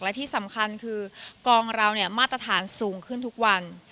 และที่สำคัญคือกองเราเนี่ยมาตรฐานสูงขึ้นทุกวัน